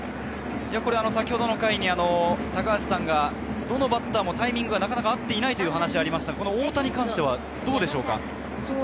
先ほどの回に高橋さんがどのバッターもタイミングがなかなか合っていないという話でしたが、太田に関してはどうでしょうか？